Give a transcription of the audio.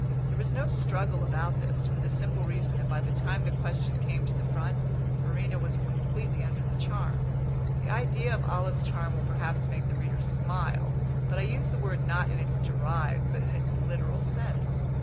There was no struggle about this, for the simple reason that by the time the question came to the front Verena was completely under the charm. The idea of Olive's charm will perhaps make the reader smile; but I use the word not in its derived, but in its literal sense.